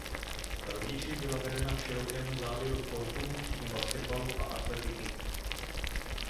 Rodiči byla vedena k širokému záběru sportů včetně basketbalu a atletiky.